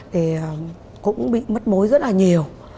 thì cũng bị mất mối rất là nhiều